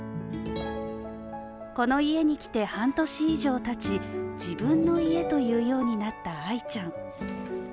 この家に来て半年以上たち自分の家と言うようになったあいちゃん。